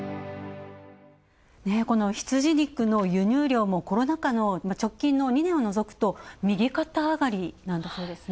羊肉の輸入量もコロナ禍の直近の２年を除くと右肩上がりなんだそうですね。